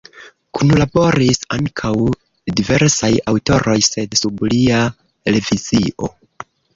Kunlaboris ankaŭ diversaj aŭtoroj, sed sub lia revizio.